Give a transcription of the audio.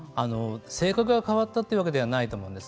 性格が変わったというわけではないと思います。